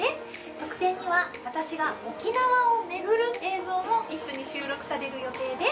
特典には私が沖縄を巡る映像も一緒に収録される予定です。